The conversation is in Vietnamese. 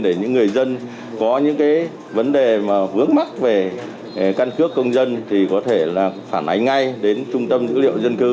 để những người dân có những vấn đề mà vướng mắt về căn cước công dân thì có thể là phản ánh ngay đến trung tâm dữ liệu dân cư